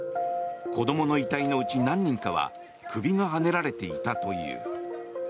子どもの遺体のうち何人かは首がはねられていたという。